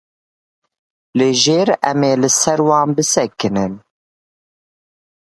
Li jêr em ê li ser wan bisekinin.